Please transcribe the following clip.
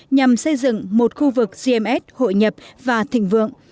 nhằm xây dựng một khu vực tầm nhìn dài hơn